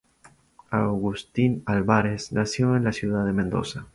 Agustín Álvarez nació en la ciudad de Mendoza.